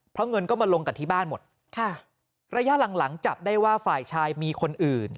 เพราะเงินก็มาลงกับที่บ้านหมดค่ะระยะหลังหลังจับได้ว่าฝ่ายชายมีคนอื่น